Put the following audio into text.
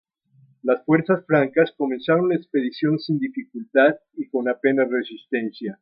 Las fuerzas francas comenzaron la expedición sin dificultad y con apenas resistencia.